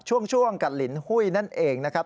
ช่วงกับลินหุ้ยนั่นเองนะครับ